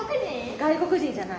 外国人じゃない。